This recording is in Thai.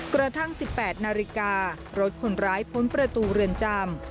กระทั่ง๑๘นาฬิการถคนร้ายพ้นประตูเรือนจำ